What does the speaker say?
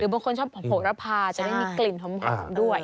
หรือบางคนชอบผกระพาจะได้มีกลิ่นของผักด้วย